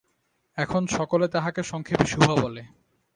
এখন সকলে তাহাকে সংক্ষেপে সুভা বলে।